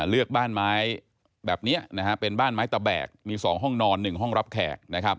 เลือกบ้านไม้แบบนี้นะฮะเป็นบ้านไม้ตะแบกมี๒ห้องนอน๑ห้องรับแขกนะครับ